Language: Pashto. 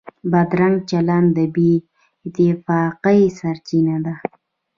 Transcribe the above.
بدرنګه چلند د بې اتفاقۍ سرچینه ده